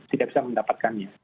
tidak bisa mendapatkannya